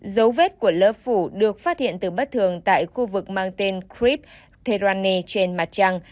dấu vết của lớp phủ được phát hiện từ bất thường tại khu vực mang tên krip terani trên mặt trăng